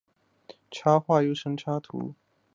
插画又称插图。